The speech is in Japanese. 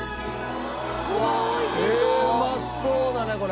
うまそうだねこれ。